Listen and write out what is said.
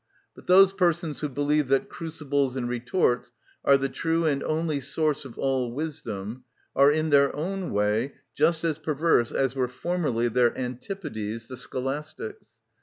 But those persons who believe that crucibles and retorts are the true and only source of all wisdom are in their own way just as perverse as were formerly their antipodes the Scholastics.